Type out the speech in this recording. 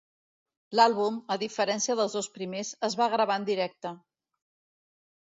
L'àlbum, a diferència dels dos primers, es va gravar en directe.